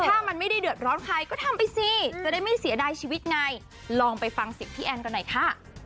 ถ้ามันไม่ได้เดือดร้อนใครก็ทำไปสิจะได้ไม่เสียดายชีวิตไงลองไปฟังเสียงพี่แอนกันหน่อยค่ะ